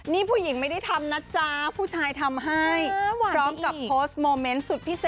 นี่ผู้หญิงไม่ได้ทำนะจ๊ะผู้ชายทำให้